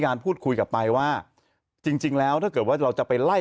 พูดคุยกลับไปว่าจริงจริงแล้วถ้าเกิดว่าเราจะไปไล่